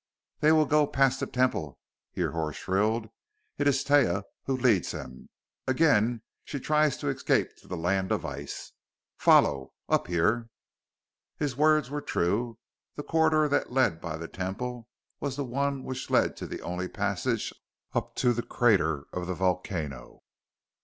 "They will go past the Temple!" Hrihor shrilled. "It is Taia who leads him: again she tries to escape to the land of ice! Follow up here!" His words were true. The corridor that led by the Temple was the one which led to the only other passage up to the crater of the volcano.